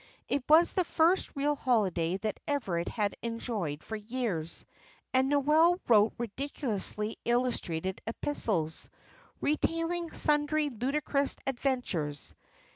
It was the first real holiday that Everard had enjoyed for years, and Noel wrote ridiculously illustrated epistles, retailing sundry ludicrous adventures.